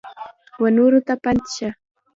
ونورو ته پند شه !